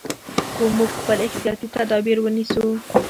خو موږ خپل احتیاطي تدابیر نیسو.